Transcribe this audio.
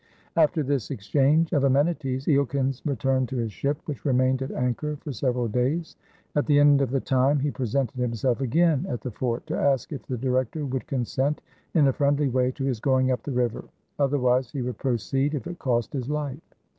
After this exchange of amenities, Eelkens returned to his ship, which remained at anchor for several days. At the end of the time, he presented himself again at the fort to ask if the Director would consent in a friendly way to his going up the river; otherwise, he would proceed if it cost his life.